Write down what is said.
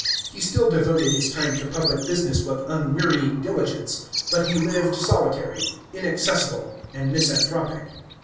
He still devoted his time to public business with unwearying diligence, but he lived solitary, inaccessible and misanthropic.